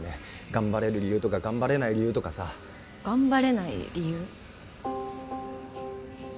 頑張れる理由とか頑張れない理由とかさ頑張れない理由？